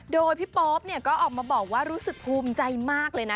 โดยพี่โป๊ปก็ออกมาบอกว่ารู้สึกภูมิใจมากเลยนะ